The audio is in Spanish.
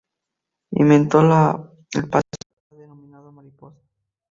Inventó el pase de capa denominado "Mariposa".